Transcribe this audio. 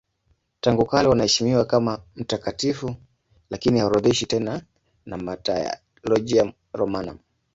Tangu kale wanaheshimiwa kama mtakatifu lakini haorodheshwi tena na Martyrologium Romanum.